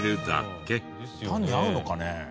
パンに合うのかね？